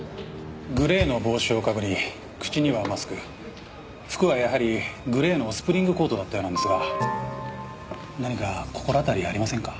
グレーの帽子を被り口にはマスク服はやはりグレーのスプリングコートだったようなんですが何か心当たりありませんか？